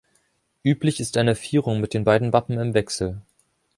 Üblich ist eine Vierung mit den beiden Wappen im Wechsel.